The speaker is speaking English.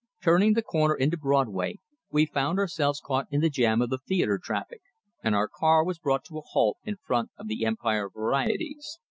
Turning the corner into Broadway, we found ourselves caught in the jam of the theatre traffic, and our car was brought to a halt in front of the "Empire Varieties."